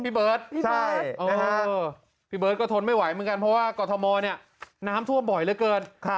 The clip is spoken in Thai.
พี่เบิร์ทก็ทนไม่ไหวเหมือนกันเพราะว่ากรฑมรน้ำท่วมบ่อยเหลือเกิน